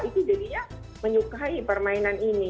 itu jadinya menyukai permainan ini